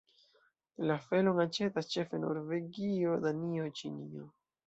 La felon aĉetas ĉefe Norvegio, Danio, Ĉinio.